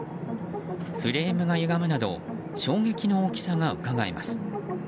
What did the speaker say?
フレームがゆがむなど衝撃の大きさがうかがえます。